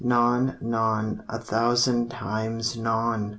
Non, non, a thousand times, _non!